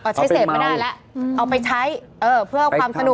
สถานการณ์เอาไปเมาเอาไปใช้เออเพื่อเอาความสนุก